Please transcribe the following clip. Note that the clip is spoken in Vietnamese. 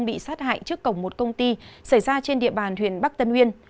bị sát hại trước cổng một công ty xảy ra trên địa bàn huyện bắc tân uyên